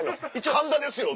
神田ですよって。